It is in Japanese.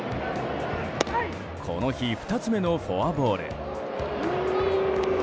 この日２つ目のフォアボール。